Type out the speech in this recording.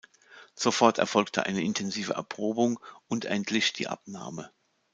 Sofort erfolgte eine intensive Erprobung und endlich die Abnahme.